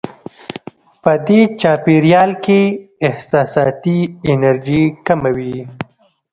په دې چاپېریال کې احساساتي انرژي کمه وي.